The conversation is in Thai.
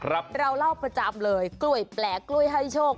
เราเล่าประจำเลยกล้วยแปลกกล้วยให้โชค